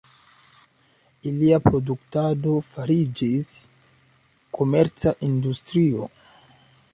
Ilia produktado fariĝis komerca industrio.